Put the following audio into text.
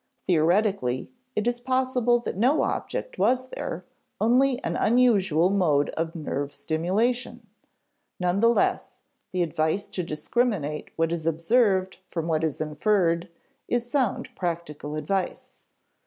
Theoretically, it is possible that no object was there, only an unusual mode of nerve stimulation. None the less, the advice to discriminate what is observed from what is inferred is sound practical advice.